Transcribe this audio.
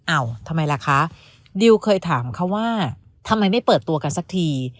ทำไมล่ะคะดิวเคยถามเขาว่าทำไมไม่เปิดตัวกันสักที